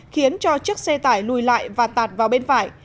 khiến cho chiếc xe tải lùi lại và tạt vào bên phải